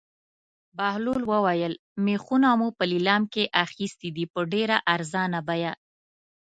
بهلول وویل: مېخونه مو په لېلام کې اخیستي دي په ډېره ارزانه بیه.